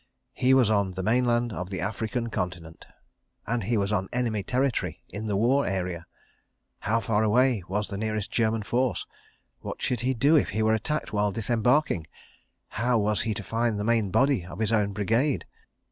... He was on the mainland of the African Continent, and he was on enemy territory in the war area! How far away was the nearest German force? What should he do if he were attacked while disembarking? How was he to find the main body of his own brigade?